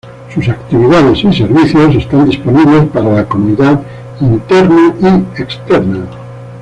Sus actividades y servicios están disponibles para la comunidad interna y externa.